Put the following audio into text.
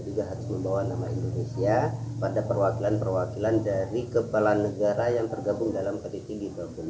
juga harus membawa nama indonesia pada perwakilan perwakilan dari kepala negara yang tergabung dalam kdtg dua puluh enam